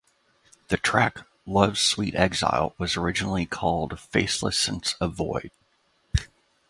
The track "Love's Sweet Exile" was originally called "Faceless Sense of Void".